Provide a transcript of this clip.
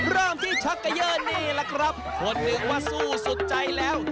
เริ่มที่ช็อกเกย์นี่ล่ะครับคนถึงว่าสู้สุดใจแล้ว